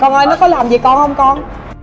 con ơi nó có làm gì con không con